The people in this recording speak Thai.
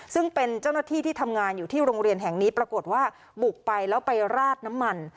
ซึ่งเป็นเจ้าหน้าที่ที่ทำงานอยู่ที่โรงเรียนแห่งนี้ปรากฏว่าบุกไปแล้วไปราดน้ำมัน